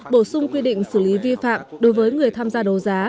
bổ sung quy định xử lý vi phạm đối với người tham gia đấu giá